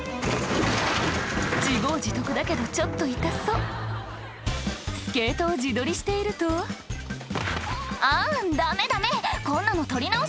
自業自得だけどちょっと痛そうスケートを自撮りしていると「あんダメダメこんなの撮り直し！」